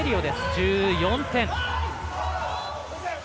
１４点。